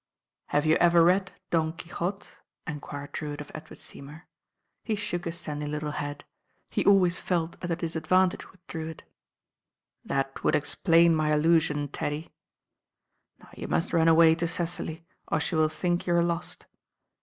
"Have you ever read Don Quixotef enquired Drewitt of Edward Seymour. He shook his sandy little head. He always felt at a disadvantage with Drewitt. "Tbit would explain my allusion, Teddy. Now you must run away to Cecily, or she will think you are lost.